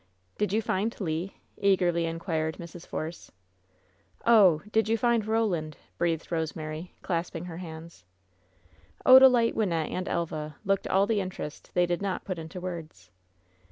"Did you find Le?" eagerly inquired Mrs. Force. "Oh! did you find Roland?' breathed Rosemary, clasping her hands. Odalite, Wynnette and Elva looked all the interest they did not put into words.